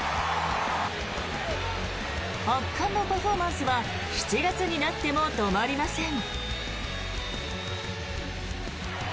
圧巻のパフォーマンスは７月になっても止まりません。